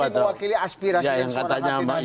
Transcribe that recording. tapi mewakili aspirasi suara nu tadi